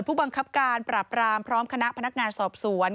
ผู้บังคับการปราบรามพร้อมคณะพนักงานสอบสวน